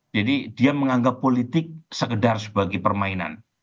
jadi dia menganggap politik sekedar sebagai permainan